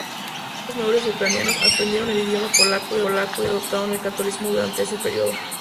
Muchos nobles ucranianos aprendieron el idioma polaco y adoptaron el catolicismo durante ese período.